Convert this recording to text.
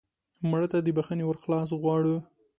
مړه ته د بښنې ور خلاص غواړو